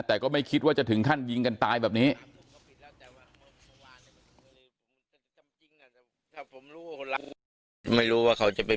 แต่ก็ไม่คิดว่าจะถึงขั้นยิงกันตายแบบนี้